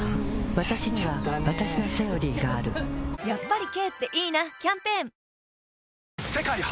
わたしにはわたしの「セオリー」があるやっぱり軽っていいなキャンペーン世界初！